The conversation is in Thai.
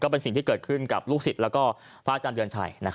เป็นสิ่งที่เกิดขึ้นกับลูกศิษย์แล้วก็พระอาจารย์เดือนชัย